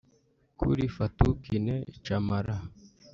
Kuri Fatou Kiné Camara